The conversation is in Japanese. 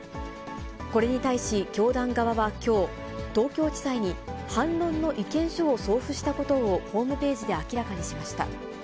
これに対し、教団側はきょう、東京地裁に反論の意見書を送付したことをホームページで明らかにしました。